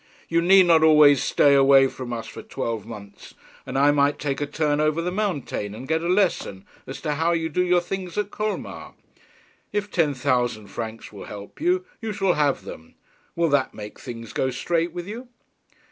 'You need not always stay away from us for twelve months, and I might take a turn over the mountain, and get a lesson as to how you do things at Colmar. If ten thousand francs will help you, you shall have them. Will that make things go straight with you?'